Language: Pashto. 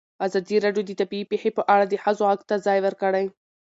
ازادي راډیو د طبیعي پېښې په اړه د ښځو غږ ته ځای ورکړی.